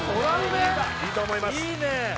いいと思いますいいね